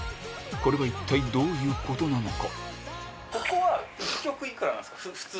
これは一体どういうことなのか？